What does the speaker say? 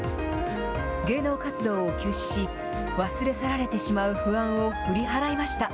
芸能活動を休止し、忘れ去られてしまう不安を振り払いました。